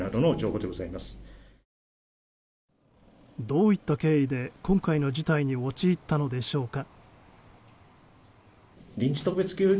どういった経緯で今回の事態に陥ったのでしょうか。